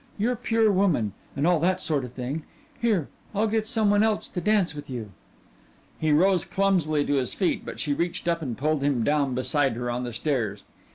You're pure woman and all that sort of thing. Here, I'll get some one else to dance with you." He rose clumsily to his feet, but she reached up and pulled him down beside her on the stairs.